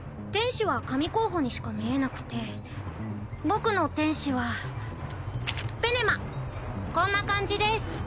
天使は神候補にしか見えなくて僕の天使はペネマこんな感じです